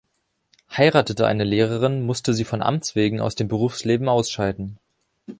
Heiratete eine Lehrerin, musste sie von Amts wegen aus dem Berufsleben ausscheiden.